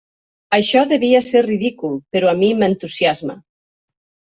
Això devia ser ridícul, però a mi m'entusiasma.